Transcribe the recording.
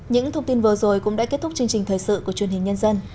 những thông tin vừa rồi cũng đã kết thúc chương trình thời sự của truyền hình nhân dân